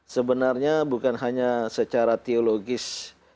sebenarnya bukan hanya secara teologis